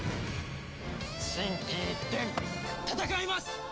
心機一転、戦います！